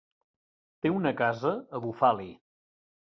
Té una casa a Bufali.